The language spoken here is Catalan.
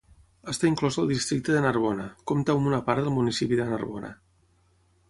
Està inclòs al districte de Narbona, compta amb una part del municipi de Narbona.